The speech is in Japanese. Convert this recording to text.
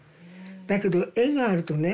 だけど絵があるとね